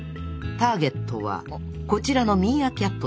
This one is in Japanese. ターゲットはこちらのミーアキャットたち。